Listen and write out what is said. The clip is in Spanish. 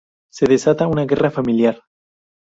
Se desata una guerra familiar.